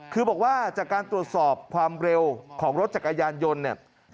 คือบอกว่าจากการตรวจสอบความเร็วของรถจักรยานยนต์เนี่ย